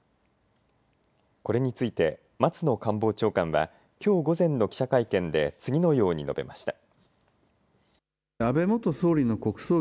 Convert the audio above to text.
これについて松野官房長官はきょう午前の記者会見で次のように述べました。